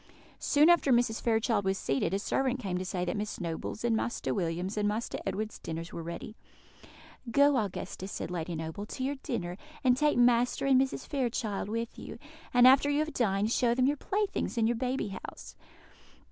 Soon after Mrs. Fairchild was seated, a servant came to say that Miss Noble's and Master William's and Master Edward's dinners were ready. "Go, Augusta," said Lady Noble, "to your dinner, and take Master and Misses Fairchild with you; and, after you have dined, show them your playthings and your baby house."